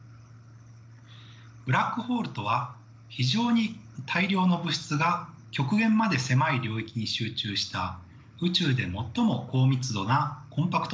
ブラックホールとは非常に大量の物質が極限まで狭い領域に集中した宇宙で最も高密度なコンパクト天体です。